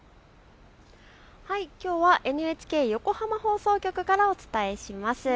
きょうはＮＨＫ横浜放送局からお伝えします。